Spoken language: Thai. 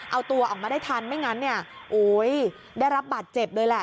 เอาตัวออกมาได้ทันไม่งั้นเนี่ยโอ้ยได้รับบาดเจ็บเลยแหละ